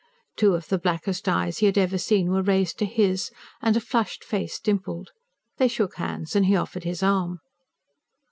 Two of the blackest eyes he had ever seen were raised to his, and a flushed face dimpled. They shook hands, and he offered his arm.